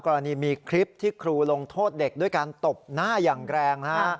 กรณีมีคลิปที่ครูลงโทษเด็กด้วยการตบหน้าอย่างแรงนะฮะ